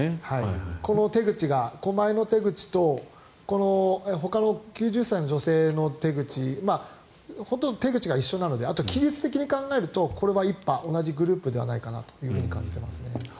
この手口が、狛江の手口とほかの９０歳の女性の手口ほとんど手口が一緒なのであと期日的に考えるとこれは一派同じグループではないかと感じています。